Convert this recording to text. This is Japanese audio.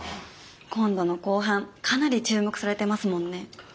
今度の公判かなり注目されてますもんね。